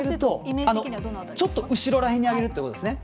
ちょっと後ろら辺に上げるということですね。